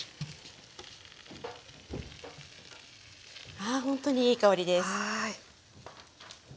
あほんとにいい香りです。